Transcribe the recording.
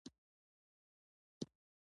ته په جبهه کي وې، سګرېټ څکوې؟